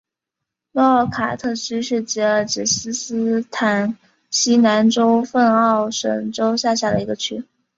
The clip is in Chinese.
诺奥卡特区是吉尔吉斯斯坦西南州份奥什州下辖的一个区。